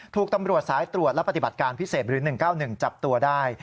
ถูกตำรวจสายตรวจและปฏิบัติการพิเศษหรือ๑๙๑จับตัวได้